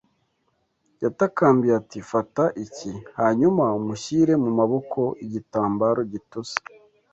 Yatakambiye ati: “Fata iki.” hanyuma umushyire mu maboko Igitambaro gitose